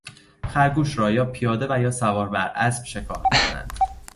خرگوش را یا پیاده و یا سوار بر اسب شکار میکنند.